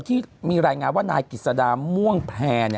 ที่มีรายงานว่านายกิจสดาม่วงแพร่